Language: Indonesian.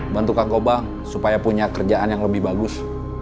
bantu kang koba supaya punya kerjaan yang lebih bagus